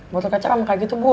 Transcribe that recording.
botol kecap emang kayak gitu bu